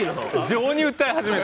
情に訴え始めた。